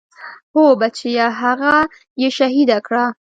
هو بچيه هغه يې شهيده کړه.